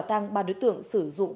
tăng ba đối tượng sử dụng